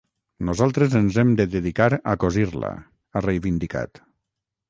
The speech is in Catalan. Nosaltres ens hem de dedicar a cosir-la, ha reivindicat.